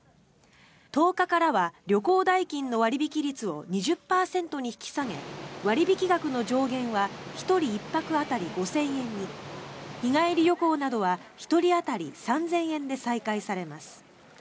１０日からは旅行代金の割引率を２０％に引き下げ割引額の上限は１人１泊当たり５０００円に日帰り旅行などは１人当たり３０００円で再開されます。